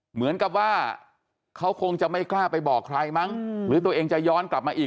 เหมือนกับว่าเขาคงจะไม่กล้าไปบอกใครมั้งหรือตัวเองจะย้อนกลับมาอีก